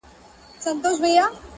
ګرځېدلی وو پر ونو او پر ژر ګو!!